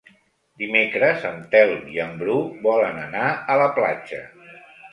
Dimecres en Telm i en Bru volen anar a la platja.